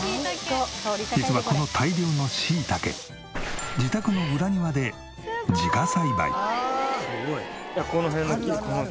実はこの大量の椎茸自宅の裏庭で自家栽培。